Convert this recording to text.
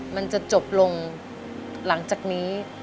มันจะจบลงหลังจากนี้